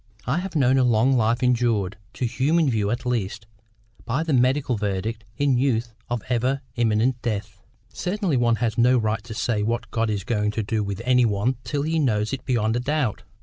I have known a long life injured, to human view at least, by the medical verdict in youth of ever imminent death." "Certainly one has no right to say what God is going to do with any one till he knows it beyond a doubt.